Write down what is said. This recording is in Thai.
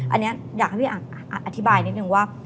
อันนี้อยากให้พี่อันอธิบายนิดนึงว่า